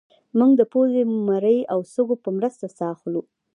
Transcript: موږ د پوزې مرۍ او سږو په مرسته ساه اخلو